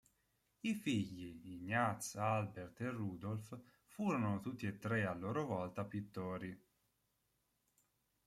I figli Ignaz, Albert e Rudolf furono tutti e tre a loro volta pittori.